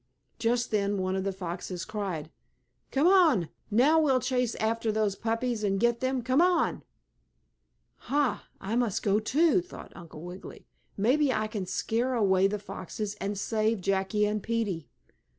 Just then one of the foxes cried: "Come on. Now we'll chase after those puppies, and get them. Come on!" "Ha! I must go, too!" thought Uncle Wiggily. "Maybe I can scare away the foxes, and save Jackie and Peetie."